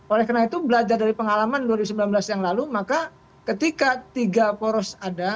oleh karena itu belajar dari pengalaman dua ribu sembilan belas yang lalu maka ketika tiga poros ada